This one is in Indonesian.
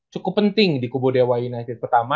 cukup penting di kubu d y united pertama